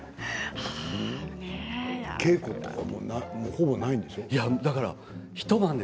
稽古とかほぼないんでしょう？